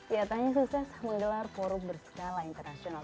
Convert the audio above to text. ya tanya sukses menggelar forum berskala internasional